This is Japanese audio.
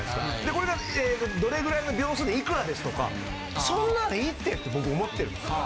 これがどれぐらいの秒数でいくらですとかそんなのいいってって僕思ってるんですよ。